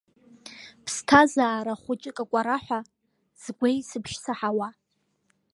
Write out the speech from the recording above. Ԥсҭазаара хәыҷык, акәараҳәа згәеисыбжь саҳауа.